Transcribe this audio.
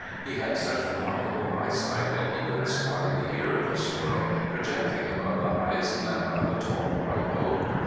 He had such remarkable eyesight that he could espy the ear of a squirrel projecting above the highest limb of a tall white oak.